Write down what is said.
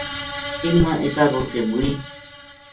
اُن مااِکا رُڑھ کے موئی